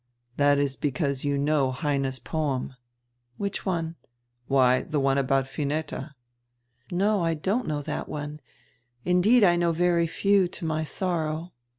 "That is hecause you know Heine's poem." "Which one?" "Why, the one ahout Vineta." "No, I don't know that one; indeed I know very few, to my sorrow."